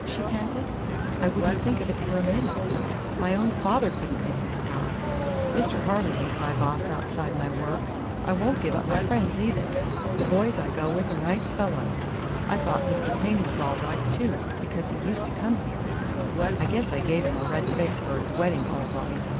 she panted. "I would n't think of it for a minute! My own father could n't make me stop! Mr. Harling ain't my boss outside my work. I won't give up my friends, either. The boys I go with are nice fellows. I thought Mr. Paine was all right, too, because he used to come here. I guess I gave him a red face for his wedding, all right!"